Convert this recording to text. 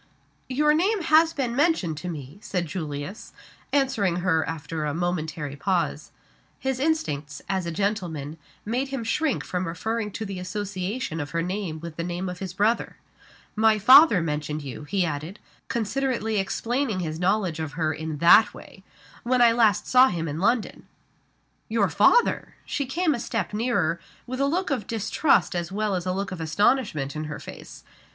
"Your name has been mentioned to me," said Julius, answering her after a momentary pause. His instincts, as a gentleman, made him shrink from referring to the association of her name with the name of his brother. "My father mentioned you," he added, considerately explaining his knowledge of her in that way, "when I last saw him in London." "Your father!" She came a step nearer, with a look of distrust as well as a look of astonishment in her face.